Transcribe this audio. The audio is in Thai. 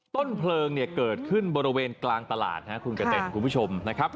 ต้นเพลิงเนี่ยเกิดขึ้นบริเวณกลางตลาดนะครับคุณกระเต้นคุณผู้ชมนะครับ